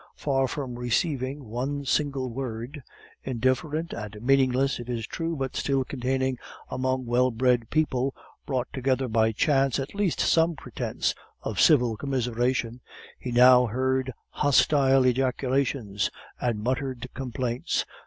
Far from receiving one single word indifferent, and meaningless, it is true, but still containing, among well bred people brought together by chance, at least some pretence of civil commiseration he now heard hostile ejaculations and muttered complaints.